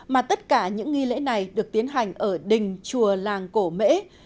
mà tất cả những nghi lễ này được tiến hành ở đình chùa làng cổ mễ